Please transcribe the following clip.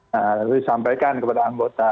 lalu disampaikan kepada anggota